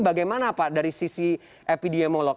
bagaimana pak dari sisi epidemiolog